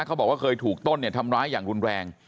เขาบอกว่าเคยถูกต้นเนี่ยทำร้ายอย่างรุนแรง